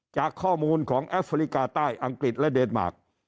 จากข้อมูลของแอฟริกาใต้อังกฤษและเดนมาร์ค